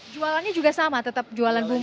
jualannya juga sama tetap jualan bumbu